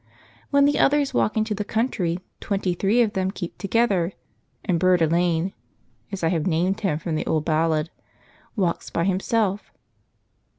When the others walk into the country twenty three of them keep together, and Burd Alane (as I have named him from the old ballad) walks by himself.